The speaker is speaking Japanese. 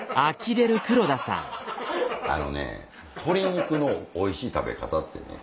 あのね鶏肉のおいしい食べ方ってね。